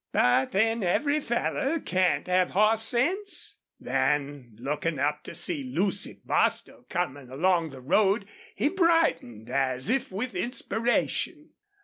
"But then every feller can't have hoss sense." Then, looking up to see Lucy Bostil coming along the road, he brightened as if with inspiration.